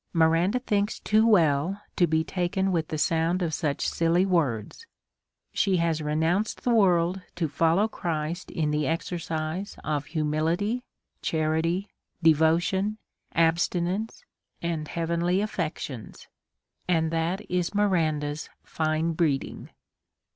Miranda thinks too well to be taken with the sound of such silly words ; she has re nounced the world to follow Christ in the exercise of humility, charity, devotion, abstinence, and heavenly aifections ; and that is Miranda's tine breeding